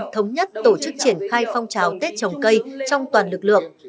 thống nhất tổ chức triển khai phong trào tết trồng cây trong toàn lực lượng